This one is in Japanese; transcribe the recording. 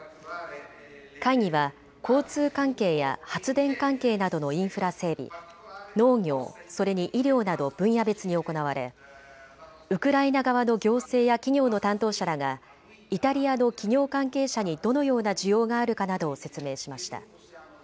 会議は交通関係や発電関係などのインフラ整備、農業、それに医療など分野別に行われウクライナ側の行政や企業の担当者らがイタリアの企業関係者にどのような需要があるかなどを説明しました。